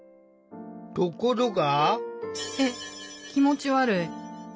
ところが。